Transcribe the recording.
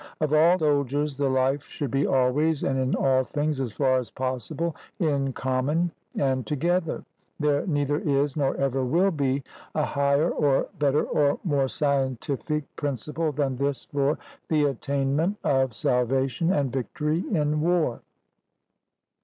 Of all soldiers the life should be always and in all things as far as possible in common and together; there neither is nor ever will be a higher, or better, or more scientific principle than this for the attainment of salvation and victory in war.